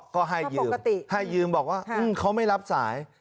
ก็ให้ยืมให้ยืมบอกว่าเขาไม่รับสาย